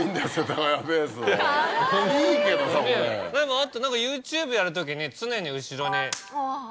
あとＹｏｕＴｕｂｅやるときに常に後ろに。